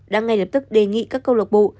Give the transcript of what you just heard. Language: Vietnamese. đã ngay lập tức đề nghị các câu lộc bộ